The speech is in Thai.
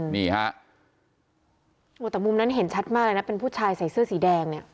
นี่ฮะแต่มุมนั้นเห็นชัดมากเลยนะเป็นผู้ชายใส่เสื้อสีแดงเนี่ย